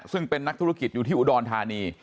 ซึ่งเป็นนักธุรกิจอยู่ที่อุดรธานี